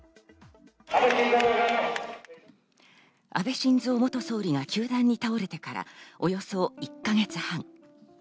安倍晋三元総理が凶弾に倒れてから、およそ１か月半。